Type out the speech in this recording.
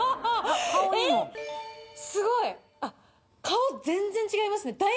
えっすごい顔全然違いますね